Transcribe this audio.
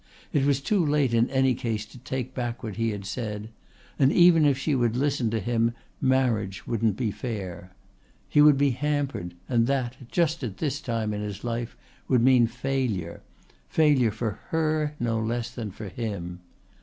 It was too late in any case to take back what he had said; and even if she would listen to him marriage wouldn't be fair. He would be hampered, and that, just at this time in his life, would mean failure failure for her no less than for him.